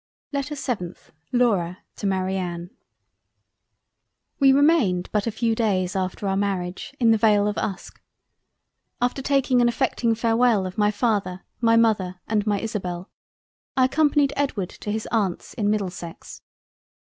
LETTER 7th LAURA to MARIANNE We remained but a few days after our Marriage, in the Vale of Uske. After taking an affecting Farewell of my Father, my Mother and my Isabel, I accompanied Edward to his Aunt's in Middlesex.